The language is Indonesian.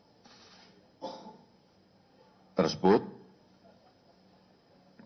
presiden jokowi menilai keputusan sepihak presiden donald trump telah melanggar berbagai resolusi dewan keamanan pbb terkait palestina